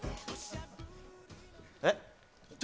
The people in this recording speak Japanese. えっ？